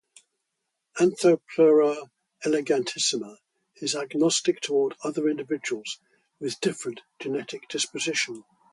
"Anthopleura elegantissima" is agonistic toward other individuals with different genetic disposition.